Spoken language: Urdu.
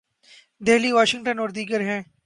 دہلی، واشنگٹن اور ''دیگر" ہیں۔